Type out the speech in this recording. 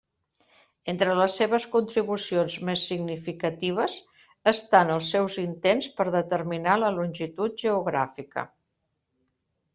Entre les seves contribucions més significatives estan els seus intents per determinar la longitud geogràfica.